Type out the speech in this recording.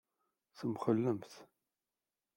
Temxellemt.